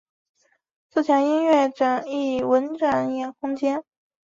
这墙音乐艺文展演空间。